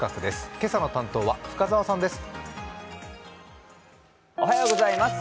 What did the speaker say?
今朝の担当は深澤さんです。